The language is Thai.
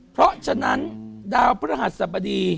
เพราะฉะนั้นดาวพฤษฎี